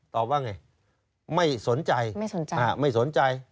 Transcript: ตอบว่าไงไม่สนใจไม่สนใจ